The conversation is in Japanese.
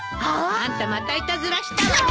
あんたまたいたずらしたわね！